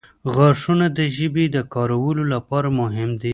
• غاښونه د ژبې د کارولو لپاره مهم دي.